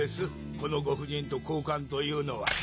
このご婦人と交換というのは。